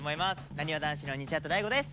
なにわ男子の西畑大吾です。